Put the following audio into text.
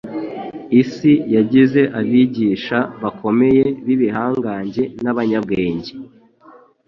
Isi yagize abigisha bakomeye b'ibihangage n'abanyabwenge